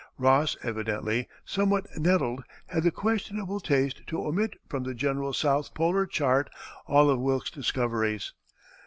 Ross, evidently somewhat nettled, had the questionable taste to omit from his general South Polar Chart all of Wilkes's discoveries.